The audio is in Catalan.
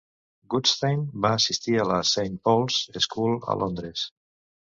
Goodstein va assistir a la Saint Paul's School a Londres.